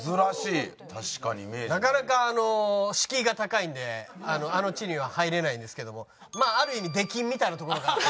なかなか敷居が高いんであの地には入れないんですけどもまあある意味出禁みたいなところがあって。